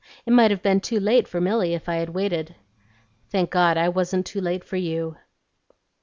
It might have been too late for Milly if I'd waited." "Thank God, I wasn't too late for you."